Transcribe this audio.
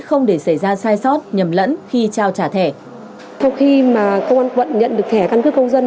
không để xảy ra sai sót nhầm lẫn khi trao trả thẻ